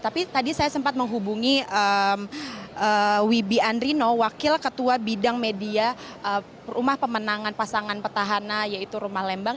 tapi tadi saya sempat menghubungi wibi andrino wakil ketua bidang media rumah pemenangan pasangan petahana yaitu rumah lembang